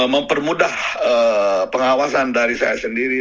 mempermudah pengawasan dari saya sendiri